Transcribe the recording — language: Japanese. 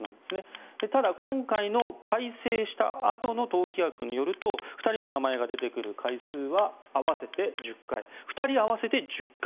ただ、今回の改正したあとの党規約によると２人の名前が出てくる回数は２人合わせて１０回です。